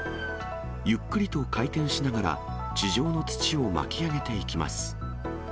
ゆっくりと回転しながら地上の土を巻き上げていきます。